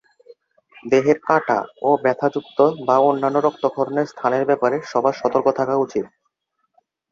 দেহের কাটা ও ব্যথা-যুক্ত বা অন্যান্য রক্তক্ষরণের স্থানের ব্যাপারে সবার সতর্ক থাকা উচিত।